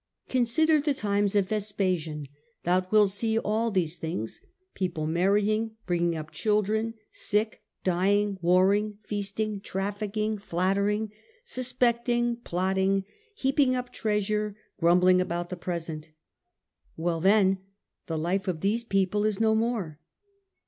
'Consider the times of Vespasian, sense of the Thou wilt see all these things : people marry earThfy^^ ing, bringing up children, sick, dying, warring, ^ood ; feasting, trafficking, flattering, suspecting, plotting, .... heaping up treasure, grumbling about the present. Well then, the life of these people is no more.